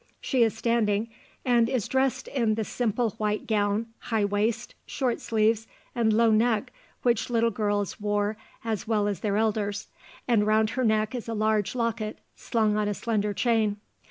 She is standing, and is dressed in the simple white gown, high waist, short sleeves, and low neck which little girls wore as well as their elders, and round her neck is a large locket slung on a slender chain.